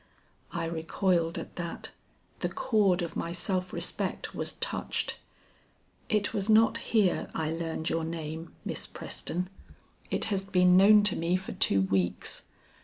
I recoiled at that, the chord of my self respect was touched. "It was not here I learned your name, Miss Preston. It has been known to me for two weeks.